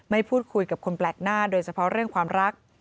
พูดคุยกับคนแปลกหน้าโดยเฉพาะเรื่องความรัก